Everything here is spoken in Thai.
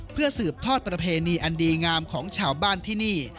เพื่อสืบทอดประเพณีอันดีงามของชาวบ้านที่นี่